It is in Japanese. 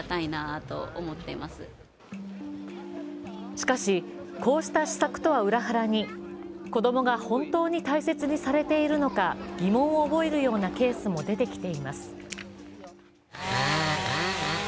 しかし、こうした施策とは裏腹に、子供が本当に大切にされているのか疑問を覚えるようなケースも出てきています。